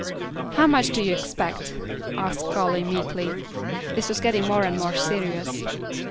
"How much do you expect?" asked Callie, meekly. This was getting more and more serious.